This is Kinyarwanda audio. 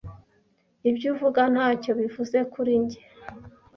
Ibyo uvuga ntacyo bivuze kuri njye.